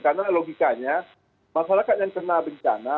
karena logikanya masyarakat yang kena bencana